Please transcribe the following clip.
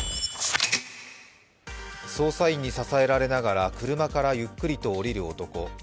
捜査員に支えられながら車からゆっくりと降りる男。